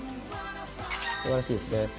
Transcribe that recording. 素晴らしいですね。